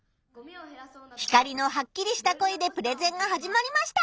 ヒカリのはっきりした声でプレゼンが始まりました。